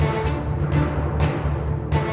แล้วน้องใบบัวร้องได้หรือว่าร้องผิดครับ